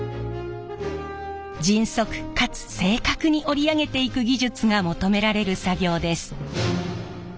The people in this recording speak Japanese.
迅速かつ正確に織り上げていく技術が求められる作業です。